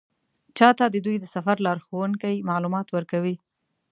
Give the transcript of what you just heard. چا ته د دوی د سفر لارښوونکي معلومات ورکوي.